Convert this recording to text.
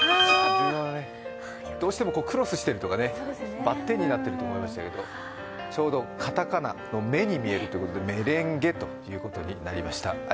どうしてもクロスしてるのがね、バッテンになってるのがちょうど片仮名の「メ」に見えるということで、メレンゲということになりました。